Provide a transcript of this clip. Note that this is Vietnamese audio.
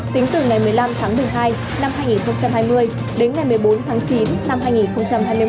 tính từ ngày một mươi năm tháng một mươi hai năm hai nghìn hai mươi đến ngày một mươi bốn tháng chín năm hai nghìn hai mươi một